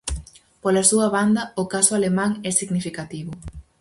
Pola súa banda, o caso alemán é significativo.